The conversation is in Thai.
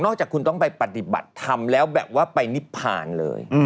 จากคุณต้องไปปฏิบัติธรรมแล้วแบบว่าไปนิพพานเลย